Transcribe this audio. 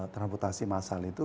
transportasi massal itu